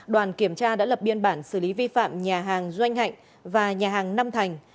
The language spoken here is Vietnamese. đoàn kiểm tra đã lập biên bản xử lý vi phạm nhà hàng doanh hạnh và nhà hàng năm thành